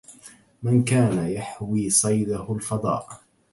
من كان يحوي صيده الفضاء